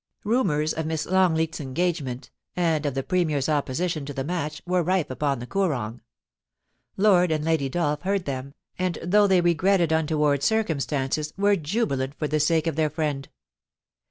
Rumours of Miss Longleat's engagement, and of the Premier's opposition to the match, were rife upon the THE TRYST BY THE BAMBOOS, rji Koorong. Lord and Lady Dolph heard them, and, though they regretted untoward circumstances, were jubilant for the sake of their friend.